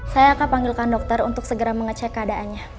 saya akan panggilkan dokter untuk segera mengecek keadaannya